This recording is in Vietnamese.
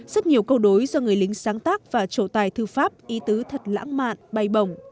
rất nhiều câu đối do người lính sáng tác và trổ tài thư pháp ý tứ thật lãng mạn bay bồng